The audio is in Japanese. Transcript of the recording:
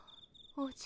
おじゃ。